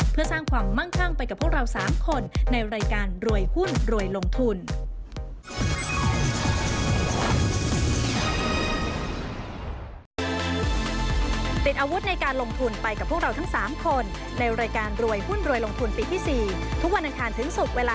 เพื่อสร้างความมั่งคั่งไปกับพวกเรา๓คนในรายการรวยหุ้นรวยลงทุน